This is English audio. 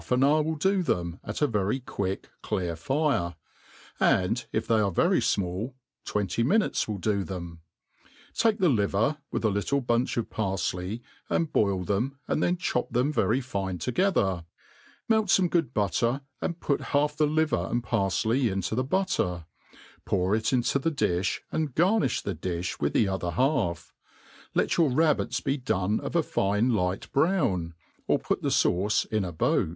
in hour will do them^ ^t a very quick, cJcaJT iire; and, if tlrey ^re very final), t^venty minute^ will dp theip,* Take the fiver, nyith a little bunch of parjley, an|d boil themj and then chop them yeyy fine together. Melt'fome ggod butter^ i^nd put half the liver apd parfley into the bijttejf j pour If, iptp •the difli, and garb tjBi the difti. With the other fialf. Lft yguf rabbits be done of a fine light bro^n j or put the fa^ce in a^99|